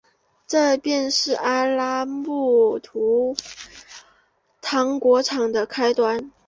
这便是阿拉木图糖果厂的开端。